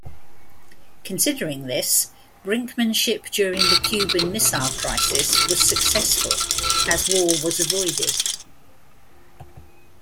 Considering this, Brinkmanship during the Cuban Missile Crisis was successful, as war was avoided.